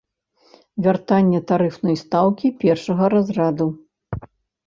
Вяртанне тарыфнай стаўкі першага разраду.